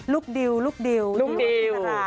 ลูกดิวลูกดิวลูกอริสระ